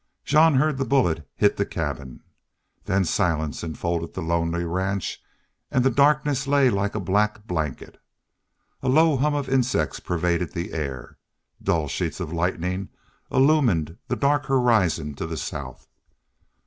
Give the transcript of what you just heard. Jean heard the bullet bit the cabin. Then silence enfolded the lonely ranch and the darkness lay like a black blanket. A low hum of insects pervaded the air. Dull sheets of lightning illumined the dark horizon to the south.